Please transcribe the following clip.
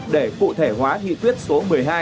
để cụ thể hóa nghị quyết số một mươi hai